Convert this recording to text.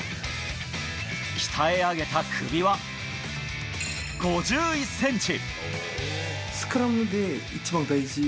鍛え上げた首は、５１ｃｍ。